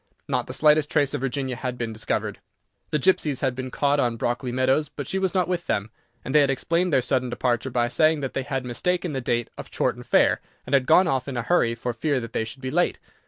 Not the slightest trace of Virginia had been discovered. The gipsies had been caught on Brockley meadows, but she was not with them, and they had explained their sudden departure by saying that they had mistaken the date of Chorton Fair, and had gone off in a hurry for fear they should be late.